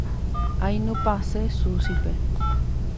Ainupãse Suzype.